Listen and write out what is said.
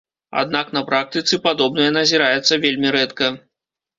Аднак на практыцы падобнае назіраецца вельмі рэдка.